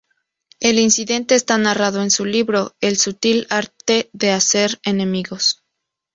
El incidente está narrado en su libro, "El Sutil Arte de Hacer Enemigos.